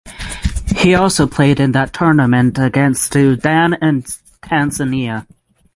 He also played in that tournament against Sudan and Tanzania.